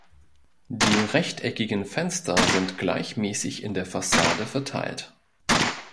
Die rechteckigen Fenster sind gleichmäßig in der Fassade verteilt.